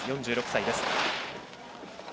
４６歳です。